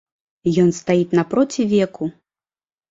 Ён стаіць напроці веку.